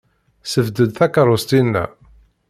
Ssebded takeṛṛust-inna.